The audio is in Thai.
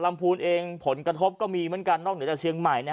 พูนเองผลกระทบก็มีเหมือนกันนอกเหนือจากเชียงใหม่